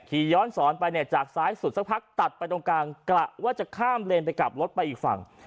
ย้อนสอนไปเนี่ยจากซ้ายสุดสักพักตัดไปตรงกลางกะว่าจะข้ามเลนไปกลับรถไปอีกฝั่ง